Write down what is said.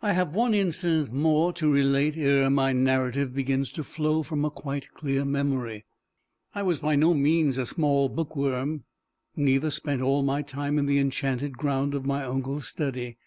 I have one incident more to relate ere my narrative begins to flow from a quite clear memory. I was by no means a small bookworm, neither spent all my time in the enchanted ground of my uncle's study.